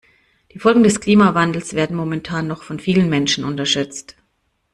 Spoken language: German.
Die Folgen des Klimawandels werden momentan noch von vielen Menschen unterschätzt.